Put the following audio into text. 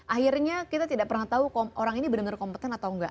akhirnya kita tidak pernah tahu orang ini benar benar kompeten atau enggak